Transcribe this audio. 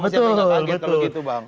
pasti akan kaget kalau gitu bang